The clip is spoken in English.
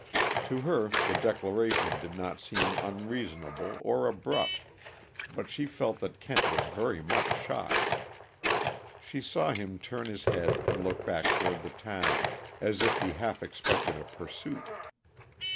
To her the declaration did not seem unreasonable or abrupt but she felt that Kent was very much shocked. She saw him turn his head and look back toward the town, as if he half expected a pursuit.